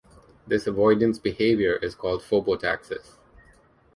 This avoidance behavior is called phobotaxis.